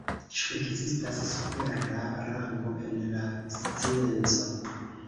Ĉu ekzistas supera rango en la scienco?